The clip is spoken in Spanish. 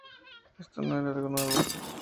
Esto no era algo nuevo.